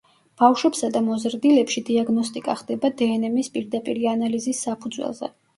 ბავშვებსა და მოზრდილებში დიაგნოსტიკა ხდება დნმ-ის პირდაპირი ანალიზის საფუძველზე.